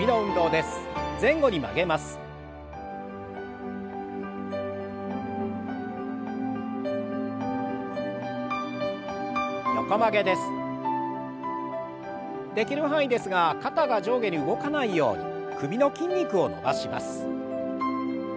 できる範囲ですが肩が上下に動かないように首の筋肉を伸ばします。